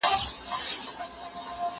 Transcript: زه به سبا ونې ته اوبه ورکړم!